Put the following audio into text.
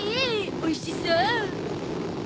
おいしそう。